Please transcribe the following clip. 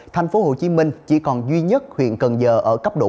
tp hcm chỉ còn duy nhất huyện cần giờ ở các tỉnh